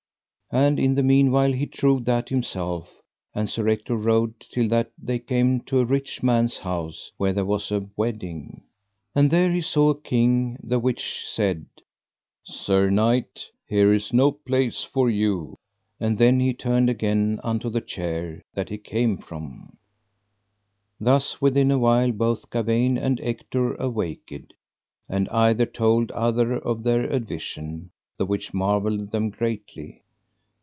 And in the meanwhile he trowed that himself and Sir Ector rode till that they came to a rich man's house where there was a wedding. And there he saw a king the which said: Sir knight, here is no place for you. And then he turned again unto the chair that he came from. Thus within a while both Gawaine and Ector awaked, and either told other of their advision, the which marvelled them greatly.